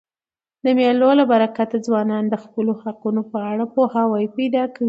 د مېلو له برکته ځوانان د خپلو حقونو په اړه پوهاوی پیدا کوي.